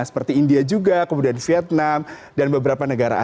seperti india juga kemudian vietnam dan beberapa negara arab